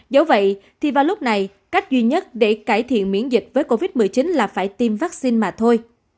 dẫu vậy thì vào lúc này cách duy nhất để cải thiện miễn dịch với covid một mươi chín là phải tiêm vaccine mà thôi